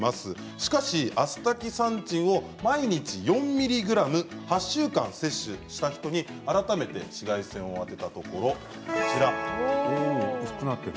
しかしアスタキサンチンを毎日４ｍｇ８週間摂取した人に改めて紫外線を当てたところ薄くなっている。